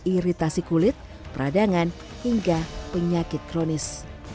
iritasi kulit peradangan hingga penyakit kronis